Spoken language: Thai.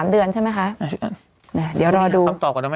เดี๋ยวรอดู